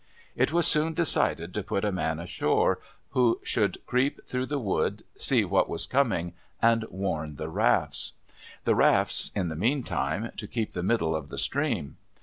It was soon decided to put a man ashore, who should creep through the wood, see what was coming, and warn the rafts. The rafts in the meantime to keep the middle of the stream.